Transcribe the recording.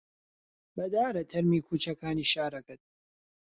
بەدارە تەرمی کووچەکانی شارەکەت